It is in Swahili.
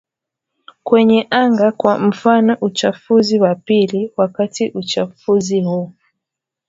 kwenye anga kwa mfano uchafuzi wa pili Wakati uchafuzi huu